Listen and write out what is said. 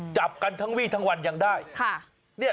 จับกันทั้งวี่ทั้งวันยังได้